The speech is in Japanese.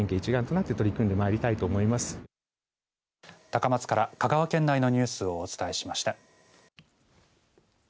高松から香川県内のニュースをお伝えしました。